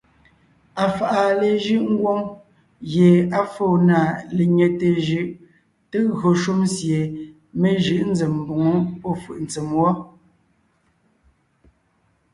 Afàʼa léjʉ́ʼ ngwóŋ gie á fóo na lenyɛte jʉʼ te gÿo shúm sie mé jʉʼ zém mboŋó pɔ́fʉ̀ʼ ntsèm wɔ́.